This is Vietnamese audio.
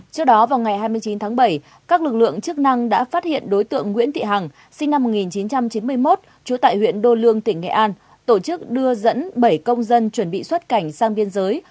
trước đó vào ngày hai mươi chín tháng bảy các lực lượng chức năng đã phát hiện đối tượng nguyễn thị hằng sinh năm một nghìn chín trăm chín mươi một trú tại huyện đô lương tỉnh nghệ an tổ chức đưa dẫn bảy công dân chuẩn bị xuất cảnh sang biên giới